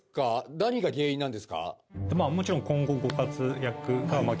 何が原因なんですか？